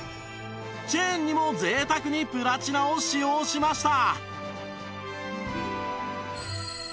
チェーンにも贅沢にプラチナを使用しました